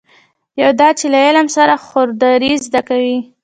یو دا چې له علم سره خودداري زده کوي.